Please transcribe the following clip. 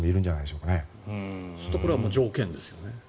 そうするとこれはもう条件ですよね。